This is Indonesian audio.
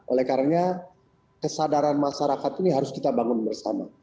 oleh karena kesadaran masyarakat ini harus kita bangun bersama